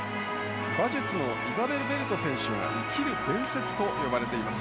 馬術のイザベル・ベルト選手が生きる伝説と呼ばれています。